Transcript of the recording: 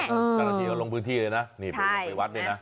ก็ถึงลงพื้นที่เลยนะนี่ไปวัดด้วยนะ